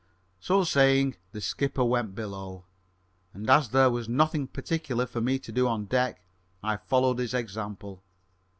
So saying, the skipper went below, and, as there was nothing particular for me to do on deck, I followed his example.